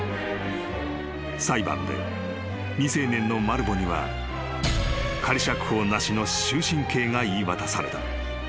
［裁判で未成年のマルヴォには仮釈放なしの終身刑が言い渡された］